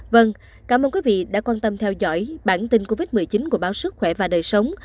vâng cảm ơn quý vị đã quan tâm theo dõi bản tin covid một mươi chín của báo sức khỏe và đời sống